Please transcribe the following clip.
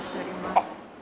あっ。